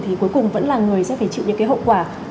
thì cuối cùng vẫn là người sẽ phải chịu những cái hậu quả